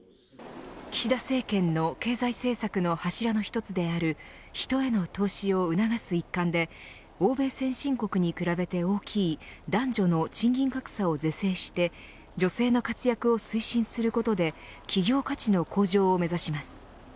岸田政権の経済政策の柱の１つである人への投資を促す一環で欧米先進国に比べて大きい男女の賃金格差を是正して女性の活躍を推進することで企業価値の向上を目指します。